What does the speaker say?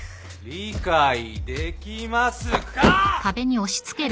理解できますか！？